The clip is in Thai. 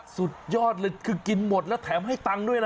สุดยอดเลยคือกินหมดแล้วแถมให้ตังค์ด้วยนะ